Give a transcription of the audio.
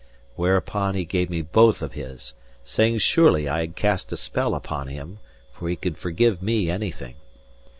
Whereupon he gave me both of his, saying surely I had cast a spell upon him, for he could forgive me anything.